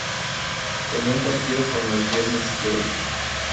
Tenía un buen tiro con la pierna izquierda.